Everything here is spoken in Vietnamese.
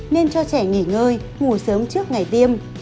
nên cho trẻ nghỉ ngơi ngủ sớm trước ngày tiêm